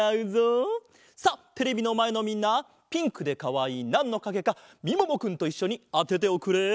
さあテレビのまえのみんなピンクでかわいいなんのかげかみももくんといっしょにあてておくれ。